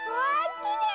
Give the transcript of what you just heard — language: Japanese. きれい！